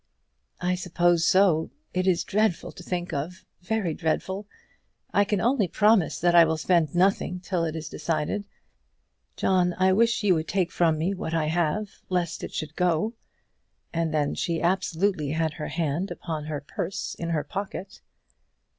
"I suppose so. It is dreadful to think of; very dreadful. I can only promise that I will spend nothing till it is decided. John, I wish you would take from me what I have, lest it should go." And she absolutely had her hand upon her purse in her pocket.